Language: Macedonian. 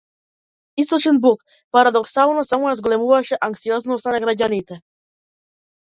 Источен блок, парадоксално, само ја зголемуваше анксиозноста на граѓаните.